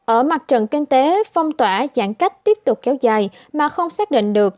ở mặt trận kinh tế phong tỏa giãn cách tiếp tục kéo dài mà không xác định được